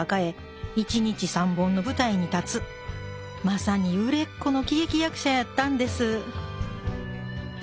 まさに売れっ子の喜劇役者やったんです